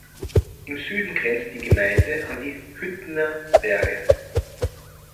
Im Süden grenzt die Gemeinde an die Hüttener Berge.